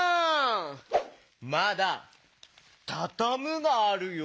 まだ「たたむ」があるよ。